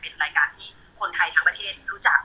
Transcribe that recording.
เป็นรายการที่คนไทยทั้งประเทศรู้จัก